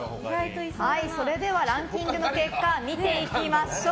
ランキングの結果見ていきましょう。